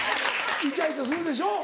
イチャイチャするでしょ？